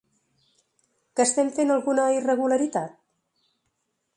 Que estem fent alguna irregularitat?